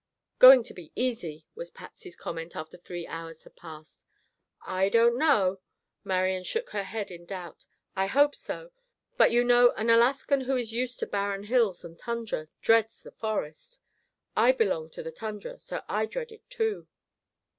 "Going to be easy," was Patsy's comment after three hours had passed. "I don't know," Marian shook her head in doubt, "I hope so, but you know an Alaskan who is used to barren hills and tundra, dreads a forest. I belong to the tundra, so I dread it, too."